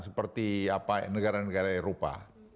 seperti apa negara negara eropa